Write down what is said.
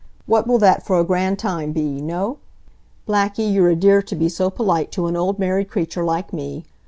What will that for a grand time be, no?" "Blackie, you're a dear to be so polite to an old married cratur' like me.